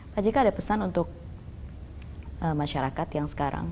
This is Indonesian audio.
pak jk ada pesan untuk masyarakat yang sekarang